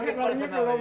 gak penuh marah